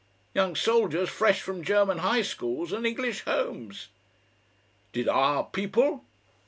Young soldiers fresh from German high schools and English homes!" "Did OUR people?"